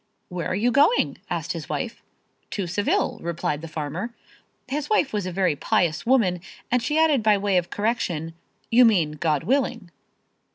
"Where are you going?" asked his wife. "To Seville," replied the farmer. His wife was a very pious woman and she added by way of correction, "You mean, God willing."